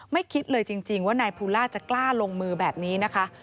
คิดเลยจริงว่านายภูล่าจะกล้าลงมือแบบนี้นะคะ